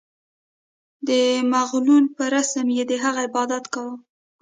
د مغولو په رسم یې د هغه عبادت کاوه.